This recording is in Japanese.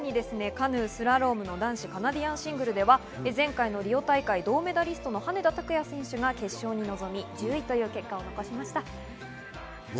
そしてさらにカヌー・スラロームの男子カナディアンシングルでは前回のリオ大会、銅メダリストの羽根田卓也選手が決勝に臨み、１０位という結果を残しました。